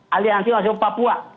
alias anc masyarakat papua